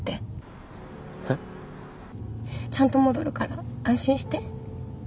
えっ？ちゃんと戻るから安心して。